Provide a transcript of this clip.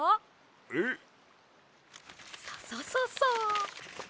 えっ？ササササッ。